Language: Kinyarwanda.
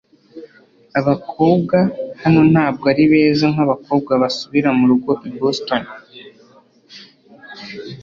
abakobwa hano ntabwo ari beza nkabakobwa basubira murugo i boston